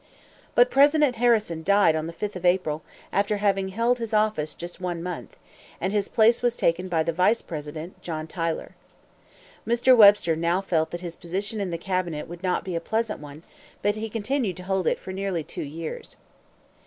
But President Harrison died on the 5th of April, after having held his office just one month; and his place was taken by the vice president, John Tyler. Mr. Webster now felt that his position in the cabinet would not be a pleasant one; but he continued to hold it for nearly two years.